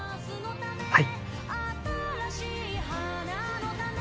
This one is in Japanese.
はい！